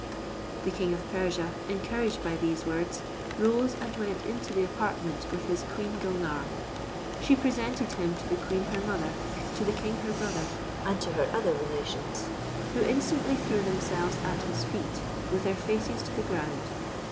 The king of Persia, encouraged by these words, rose and went into the apartment with his Queen Gulnare She presented him to the queen her mother, to the king her brother, and to her other relations; who instantly threw themselves at his feet, with their faces to the ground.